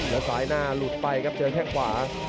แล้วซ้ายหน้าหลุดไปครับเจอแค่งขวา